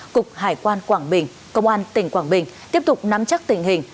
cục hải quan quảng bình công an tỉnh quảng bình tiếp tục nắm chắc tình hình